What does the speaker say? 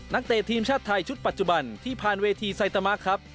เตะทีมชาติไทยชุดปัจจุบันที่ผ่านเวทีไซตามะครับ